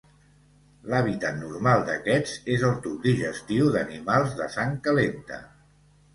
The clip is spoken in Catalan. L'hàbitat normal d'aquests és el tub digestiu d'animals de sang calenta.